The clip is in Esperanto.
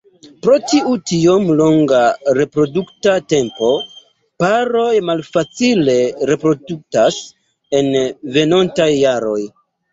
Pro tiu tiom longa reprodukta tempo, paroj malfacile reproduktas en venontaj jaroj.